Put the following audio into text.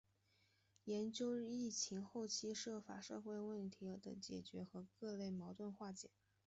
研究疫情后期涉法社会问题的解决和各类矛盾的化解